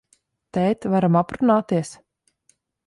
Tēt, varam aprunāties?